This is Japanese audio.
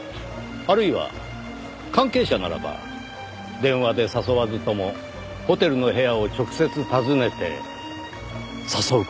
あるいは関係者ならば電話で誘わずともホテルの部屋を直接訪ねて誘う事も可能ですねぇ。